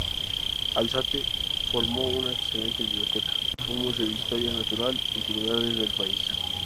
Alzate formó una excelente biblioteca, un museo de historia natural y antigüedades del país.